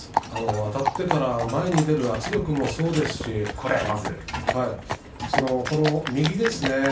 あたってから前に出る圧力もそうですし右ですよね。